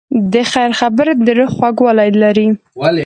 د خیر خبرې د روح خوږوالی لري.